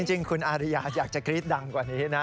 จริงคุณอาริยาอยากจะกรี๊ดดังกว่านี้นะ